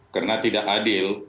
karena tidak adil